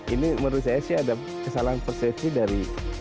ini menurut saya sih ada kesalahan persepsi dari